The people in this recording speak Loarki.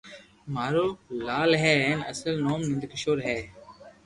مارو لال ھي ھين اصل نوم نند ڪيݾور ھي